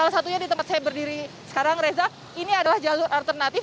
sampai saya berdiri sekarang reza ini adalah jalur alternatif